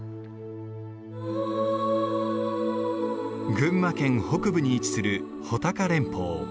群馬県北部に位置する武尊連峰。